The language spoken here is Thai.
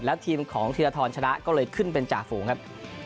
แล้วทีมของธีรทรชนะก็เลยขึ้นเป็นจ่าฝูงครับ